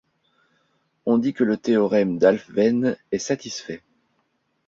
On dit que le théorème d'Alfvén est satisfait.